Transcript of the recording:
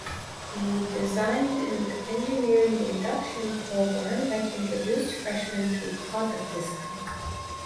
He design an engineering induction program that introduced freshmen to product design.